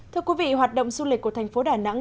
thưa quý vị hoạt động du lịch của thành phố đà nẵng